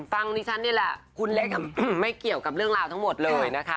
ฟังดิฉันนี่แหละคุณเล็กไม่เกี่ยวกับเรื่องราวทั้งหมดเลยนะคะ